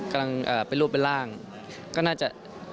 กำลังเป็นรูปเป็นร่างก็น่าจะ